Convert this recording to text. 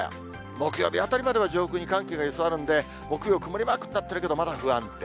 木曜日あたりまでは上空に寒気が居座るんで、木曜、曇りマークになってるけど、まだ不安定。